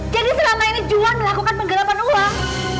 jadi selama ini juhan melakukan penggerapan uang